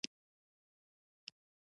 نمک د افغانستان د اقلیم ځانګړتیا ده.